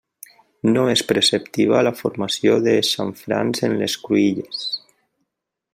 No és preceptiva la formació de xamfrans en les cruïlles.